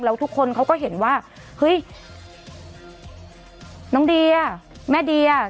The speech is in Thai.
แล้วทุกคนเขาก็เห็นว่าเฮ้ยน้องเดียแม่เดีย